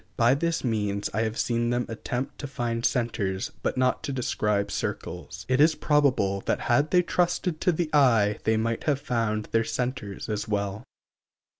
By this means I have seen them attempt to find centers, but not to describe circles. It is probable that had they trusted to the eye they might have found their centers as well.